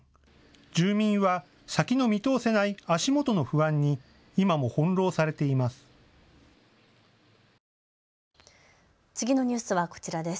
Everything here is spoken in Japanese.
住民は先の見通せない足元の不安に今も翻弄されています。